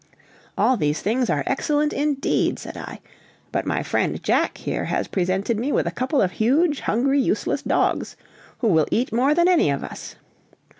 "All these things are excellent indeed," said I; "but my friend Jack here has presented me with a couple of huge, hungry, useless dogs, who will eat more than any of us."